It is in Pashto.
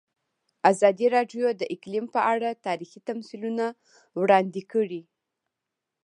ازادي راډیو د اقلیم په اړه تاریخي تمثیلونه وړاندې کړي.